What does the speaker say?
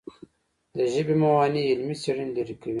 د ژبې موانع علمي څېړنې لیرې کوي.